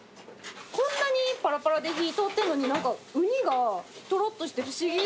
こんなにパラパラで火通ってんのに何かウニがトロっとして不思議。